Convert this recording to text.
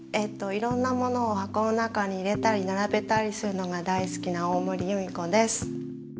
いろんなものを箱の中に入れたりならべたりするのが大好きな大森裕美子です。